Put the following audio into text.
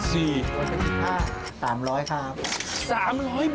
๓๐๐ครับ